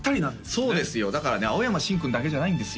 そうですよだからね青山新君だけじゃないんですよ